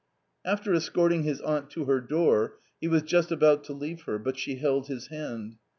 " After escorting his aunt to her door, he was just about to leave her, but she held his hand.